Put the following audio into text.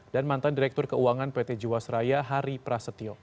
dan mantan direktur keuangan pt jiwaseraya hari prasetyo